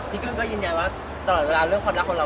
กึ้งก็ยืนยันว่าตลอดเวลาเรื่องความรักของเรา